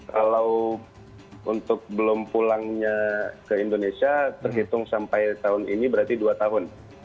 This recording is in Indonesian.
kalau untuk belum pulangnya ke indonesia terhitung sampai tahun ini berarti dua tahun